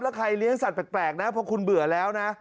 แล้วใครเลี้ยงสัตว์แปลกนะเพราะคุณเบื่อแล้วนะ